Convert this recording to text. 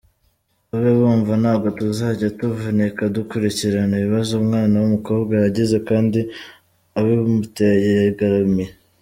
Babe bumva, ntabwo tuzajya tuvunika dukurikirana ibibazo umwana w’umukobwa yagize kandi uwabimuteye yigaramiye.